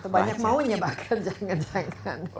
banyak maunya bakal